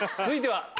続いては。